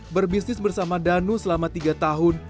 berbisnis bersama danu selama tiga tahun